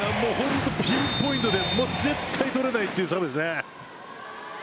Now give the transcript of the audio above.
ピンポイントで絶対取れないというサーブですね。